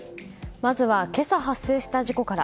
まずは今朝発生した事故から。